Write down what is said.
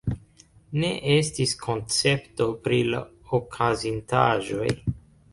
Ne estis koncepto pri la okazintaĵoj.